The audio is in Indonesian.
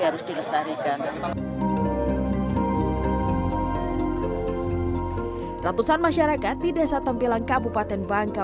harus dilestarikan ratusan masyarakat di desa tempilang kabupaten bangka